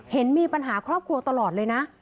เห็นมีปัญหาครอบครัวตลอดเลยนะ